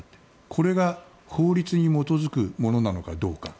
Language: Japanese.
これが法律に基づくものなのかどうか。